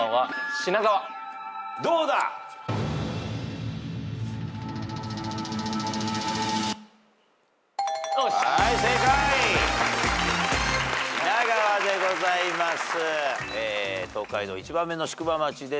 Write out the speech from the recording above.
品川でございます。